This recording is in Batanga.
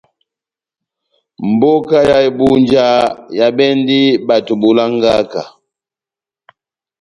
Mbóka ya Ebunja ehabɛndi bato bolangaka.